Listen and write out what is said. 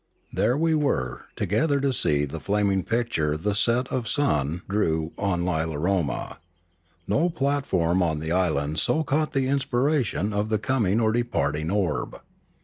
There were we together to see the flaming picture the set of sun drew on Lilaroma. No platform on the island so caught the inspiration of the coming or departing orb.